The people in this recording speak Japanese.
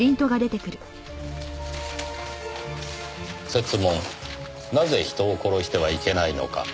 「設問なぜ人を殺してはいけないのか？」